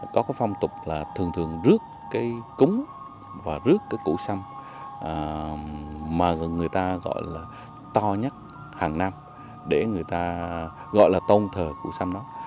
có cái phong tục là thường thường rước cái cúng và rước cái củ xâm mà người ta gọi là to nhất hàng năm để người ta gọi là tôn thờ cụ sâm đó